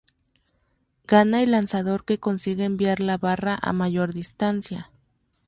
Gana el lanzador que consiga enviar la barra a mayor distancia.